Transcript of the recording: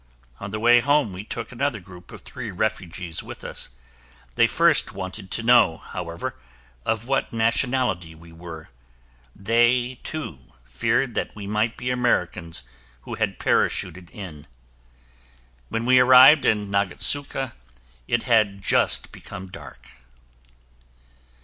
On the way home, we took another group of three refugees with us. They first wanted to know, however, of what nationality we were. They, too, feared that we might be Americans who had parachuted in. When we arrived in Nagatsuka, it had just become dark.